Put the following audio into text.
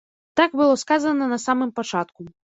Так было сказана на самым пачатку.